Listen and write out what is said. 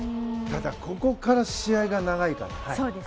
ただ、ここから試合が長いから。